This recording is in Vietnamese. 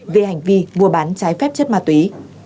về hành vi mua bán trái phép chất ma túy